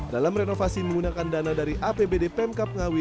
dalam renovasi menggunakan dana dari apbd pemkap ngawi